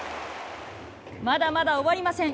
まだまだ終わりません。